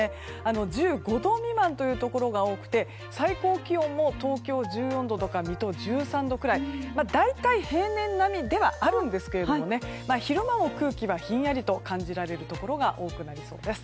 １５度未満というところが多くて最高気温も東京１４度とか水戸、１３度くらいと大体、平年並みではあるんですが昼間も空気はひんやりと感じられるところが多くなりそうです。